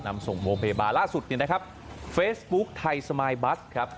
นำส่งโวงเพลย์บาร์ล่าสุดนี้นะครับเฟซบุ๊กไทยสไมล์บัสครับ